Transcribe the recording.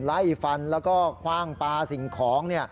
ไล่ฟันแล้วก็คว่างปลาสิ่งของ